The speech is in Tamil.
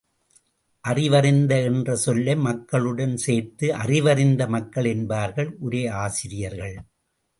அறிவறிந்த என்ற சொல்லை மக்களுடன் சேர்த்து அறிவறிந்த மக்கள் என்பார்கள் உரையாசிரியர்கள்.